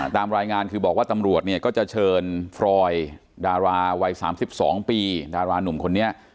ตามรายงานคือบอกว่าตำรวจเนี่ยก็จะเชิญฟรอยดาราวัย๓๒ปีดารานุ่มคนนี้